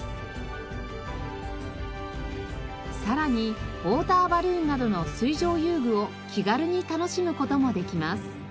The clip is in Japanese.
さらにウォーターバルーンなどの水上遊具を気軽に楽しむ事もできます。